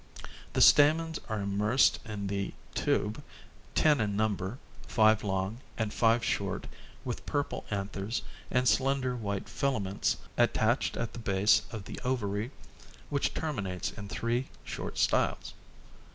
The stamens are immersed in the tube, ten in number, five long and five short with purple anthers and slender white filaments attached at the base of the ovary which terminates in three short styles.